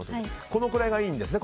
このくらいがいいんですね